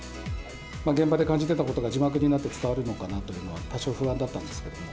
現場で感じてたことが字幕になって伝わるのかなというのは、多少不安だったんですけども。